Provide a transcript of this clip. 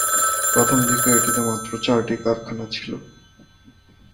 প্রথম দিকে এটিতে মাত্র চারটি কারখানা ছিল।